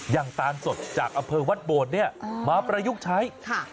ตาลสดจากอำเภอวัดโบดเนี่ยมาประยุกต์ใช้